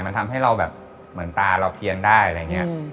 มันทำให้เราแบบเหมือนตาเราเพียนได้อะไรอย่างนี้